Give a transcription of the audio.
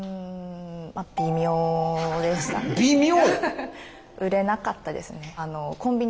微妙？